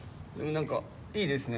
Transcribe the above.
何かいいですね。